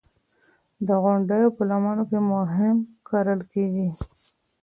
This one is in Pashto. د غونډیو په لمنو کې هم کرل کېږي.